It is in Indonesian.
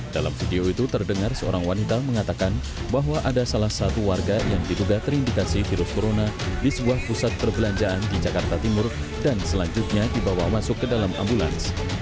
dalam video itu terdengar seorang wanita mengatakan bahwa ada salah satu warga yang diduga terindikasi virus corona di sebuah pusat perbelanjaan di jakarta timur dan selanjutnya dibawa masuk ke dalam ambulans